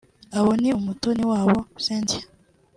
Abo ni Umutoniwabo Cynthia